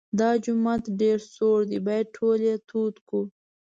دا جومات ډېر سوړ دی باید ټول یې تود کړو.